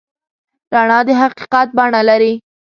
رڼا د حقیقت بڼه لري.